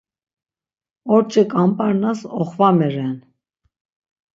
Orç̌i Ǩamp̌arnas oxvame ren.